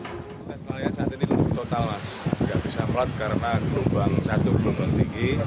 nelayan saat ini total tidak bisa melaut karena gelombang satu gelombang tinggi